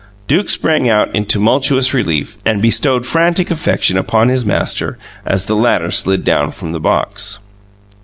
Duke sprang out in tumultuous relief, and bestowed frantic affection upon his master as the latter slid down from the box.